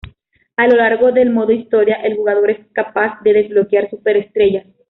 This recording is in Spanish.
A lo largo de el modo Historia, el jugador es capaz de desbloquear superestrellas.